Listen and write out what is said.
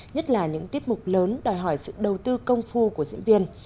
nhất là những tiết mục lớn đòi hỏi sự đầu tư công phu của diễn viên